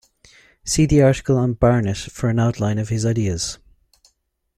See the article on Barnett for an outline of his ideas.